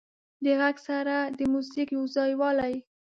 د غږ سره د موزیک یو ځایوالی